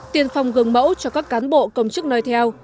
tiền phòng gừng mẫu cho các cán bộ công chức nơi theo